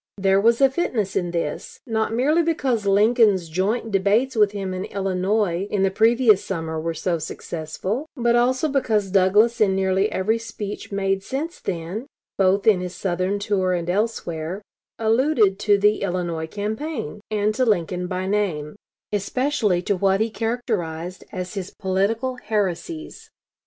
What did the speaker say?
There was a fitness in this, not merely because Lincoln's joint debates with him in Illinois in the previous summer were so successful, but also because Douglas in nearly every speech made since then, both in his Southern tour and elsewhere, alluded to the Illinois campaign, and to Lincoln by name, especially to what he characterized as his political heresies.